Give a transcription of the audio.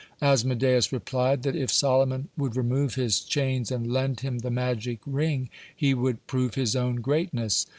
Asmodeus replied, that if Solomon would remove his chains and lend him the magic ring, he would prove his own greatness.